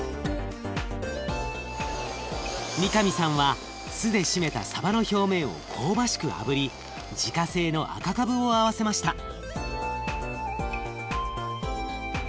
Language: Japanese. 三上さんは酢でしめたさばの表面を香ばしくあぶり自家製の赤かぶを合わせました。